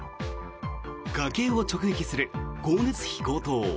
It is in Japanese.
家計を直撃する光熱費高騰。